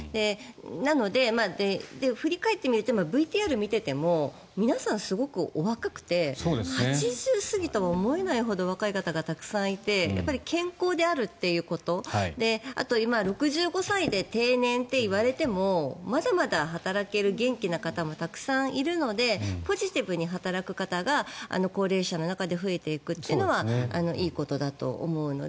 なので、振り返ってみるとＶＴＲを見ていても皆さん、すごくお若くて８０過ぎとは思えないほど若い方がたくさんいてやっぱり健康であるっていうことあと、今６５歳で定年といわれてもまだまだ働ける元気な方もたくさんいるのでポジティブに働く方が高齢者の中で増えていくというのはいいことだと思うので。